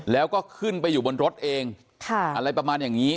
แล้วก็ขึ้นไปอยู่บนรถเองอะไรประมาณอย่างนี้